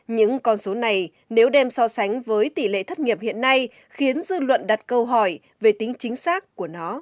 những con số này nếu đem so sánh với tỷ lệ thất nghiệp hiện nay khiến dư luận đặt câu hỏi về tính chính xác của nó